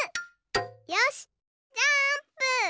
よしジャーンプ！